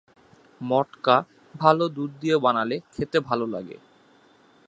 মটকা ভালো দুধ দিয়ে বানালে খেতে ভালো লাগে।